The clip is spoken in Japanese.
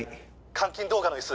監禁動画の椅子